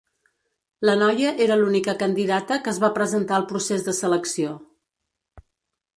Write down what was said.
La noia era l’única candidata que es va presentar al procés de selecció.